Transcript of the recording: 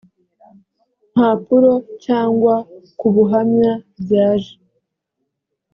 mpapuro cyangwa ku buhamya byaje